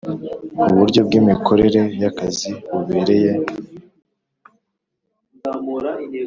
Uburyo bw imikorere y akazi bubereye